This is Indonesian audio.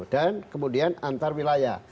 dan kemudian antar wilayah